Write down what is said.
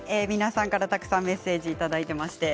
たくさんメッセージをいただいています。